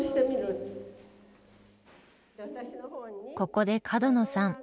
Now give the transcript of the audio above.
ここで角野さん